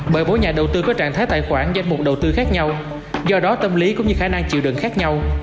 bởi mỗi nhà đầu tư có trạng thái tài khoản danh mục đầu tư khác nhau do đó tâm lý cũng như khả năng chịu đựng khác nhau